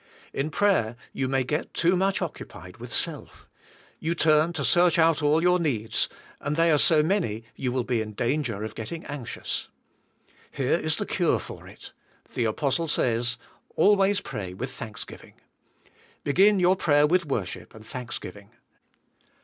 In prayer you may get too much occupied with self; you turn to search out all your needs and they are so many you will be in danger of getting anxious. Here is the cure for it. The apostle says. Always pray with thanksgiving. Begin your prayer with worship and thanksgiving.